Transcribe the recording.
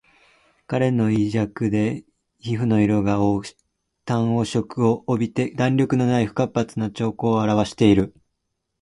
彼は胃弱で皮膚の色が淡黄色を帯びて弾力のない不活発な徴候をあらわしている